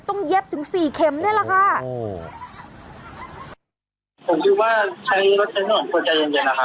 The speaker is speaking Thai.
ต้องเย็บถึงสี่เข็มนี่แหละค่ะผมคิดว่าใช้รถใช้หน่วยของคุณใจเย็นเย็นนะคะ